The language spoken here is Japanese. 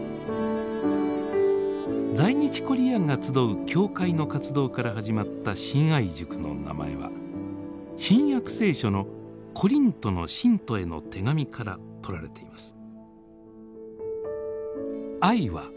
在日コリアンが集う教会の活動から始まった「信愛塾」の名前は新約聖書の「コリントの信徒への手紙」からとられています。